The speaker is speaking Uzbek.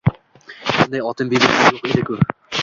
— Bunday otinbibilar yo‘q edi-ku?